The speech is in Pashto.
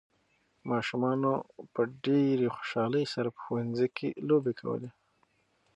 ماشومانو په ډېرې خوشالۍ سره په ښوونځي کې لوبې کولې.